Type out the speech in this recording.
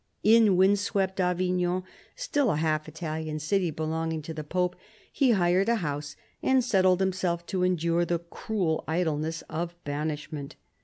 In wind swept Avignon, still a half Italian city belonging to the Pope, he hired a house and settled himself to endure the cruel idleness of banishment.